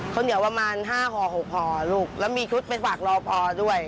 ข้าวเหนียวประมาณห้าห่อหกห่อลูกแล้วมีชุดไปฝากรอพอด้วย